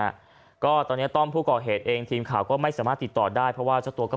ฮะก็ตอนเนี้ยต้อมผู้ก่อเหตุเองทีมข่าวก็ไม่สามารถติดต่อได้เพราะว่าเจ้าตัวก็